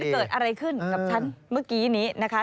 แล้วอันปริเจิดอะไรขึ้นกับฉันเมื่อกี้นี้นะคะ